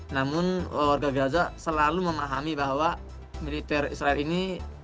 namun warga gaza selalu memahami bahwa militer israel ini